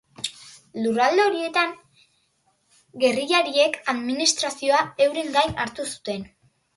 Lurralde horietan gerrillariek administrazioa euren gain hartu zuten.